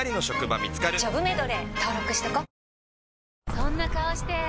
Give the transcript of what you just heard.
そんな顔して！